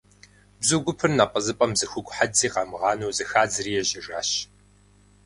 Бзу гупыр напӀэзыпӀэм зы хугу хьэдзи къамыгъанэу зэхадзри ежьэжащ.